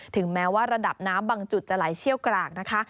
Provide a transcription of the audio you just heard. ถึงแม้ว่าระดับน้ำบางจุดจะไหลเชี่ยวกรากนะคะ